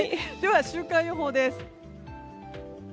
週間予報です。